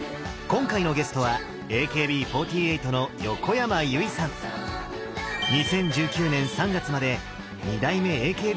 今回のゲストは２０１９年３月まで２代目